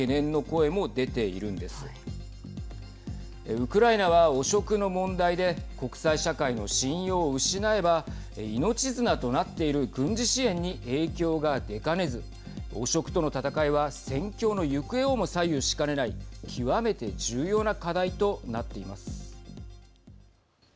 ウクライナは汚職の問題で国際社会の信用を失えば命綱となっている軍事支援に影響が出かねず汚職との戦いは戦況の行方をも左右しかねない極めて重要な課題となっています。